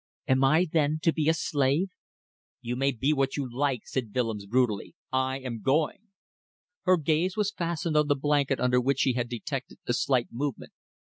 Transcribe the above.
Am I then to be a slave?" "You may be what you like," said Willems, brutally. "I am going." Her gaze was fastened on the blanket under which she had detected a slight movement.